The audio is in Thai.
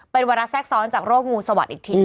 เป็นวาระแทรกซ้อนจากโรคงูสวัสดิ์อีกที